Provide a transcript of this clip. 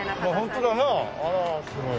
あらすごい。